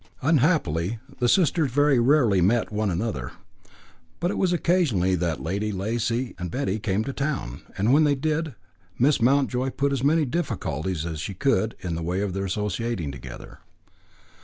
Unhappily the sisters very rarely met one another. It was but occasionally that Lady Lacy and Betty came to town, and when they did, Miss Mountjoy put as many difficulties as she could in the way of their associating together.